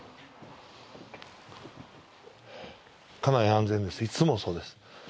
家内安全ですいつもそうです。